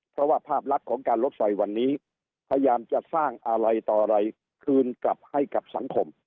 เพราะว่าภาพลักษณ์ของการลดไฟวันนี้พยายามจะสร้างอะไรต่ออะไรคืนกลับให้กับสังคม